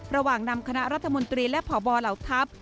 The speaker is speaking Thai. ระหว่างนำคณะรัฐมนตรีและพบเหล่าทัพ